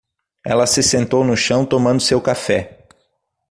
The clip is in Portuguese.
Ela se sentou no chão tomando seu café.